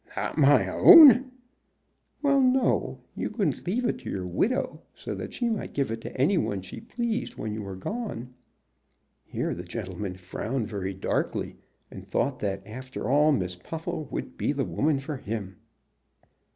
"Not my own?" "Well, no. You couldn't leave it to your widow, so that she might give it to any one she pleased when you were gone." Here the gentleman frowned very darkly, and thought that after all Miss Puffle would be the woman for him.